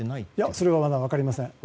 それはまだ分かりません。